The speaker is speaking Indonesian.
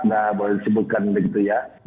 nah boleh disebutkan begitu ya